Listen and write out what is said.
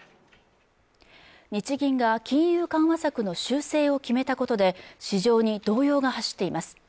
日銀が金融緩和策の修正を決めたことで市場に動揺が走っています